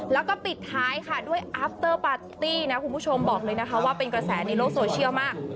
แล้วก็ปิดท้ายค่ะด้วยอัฟเตอร์ปาร์ตี้นะคุณผู้ชมบอกเลยนะคะว่าเป็นกระแสในโลกโซเชียลมาก